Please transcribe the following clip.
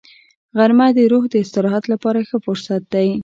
غرمه د روح د استراحت لپاره ښه فرصت دی